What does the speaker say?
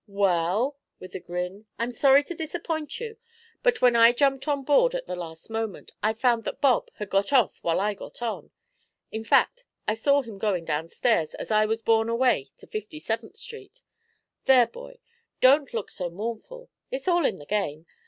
'Well,' with a grin, 'I'm sorry to disappoint you, but when I jumped on board, at the last moment, I found that Bob had got off while I got on. In fact, I saw him going downstairs as I was borne away to Fifty seventh Street. There, boy, don't look so mournful; it's all in the game.